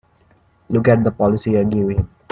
Look at the policy I gave him!